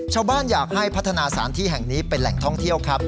อยากให้พัฒนาสารที่แห่งนี้เป็นแหล่งท่องเที่ยวครับ